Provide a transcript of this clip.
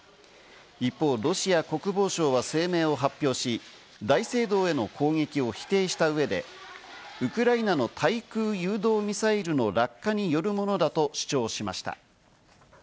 一方、ロシア国防省は声明を発表し、大聖堂への攻撃を否定した上で、ウクライナの対空誘導ミサイルの落下によるものだと主張しました。